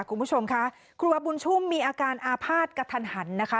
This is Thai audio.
คุณผู้ชมค่ะครูบาบุญชุ่มมีอาการอาภาษณ์กระทันหันนะคะ